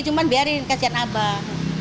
cuma biarin kasihan abah